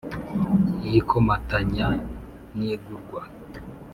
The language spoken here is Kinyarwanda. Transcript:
Y ikomatanya n igurwa